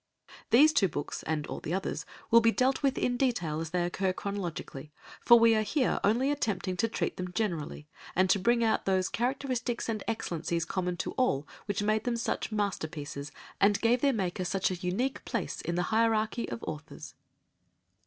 These two books, and all the others, will be dealt with in detail as they occur chronologically, for we are here only attempting to treat them generally, and to bring out those characteristics and excellencies common to all which made them such masterpieces, and gave their maker such a unique place in the hierarchy of authors.